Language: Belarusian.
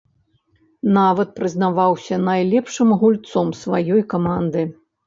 Нават прызнаваўся найлепшым гульцом сваёй каманды.